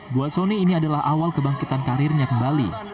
buat sony ini adalah awal kebangkitan karirnya kembali